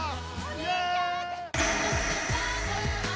イエイ！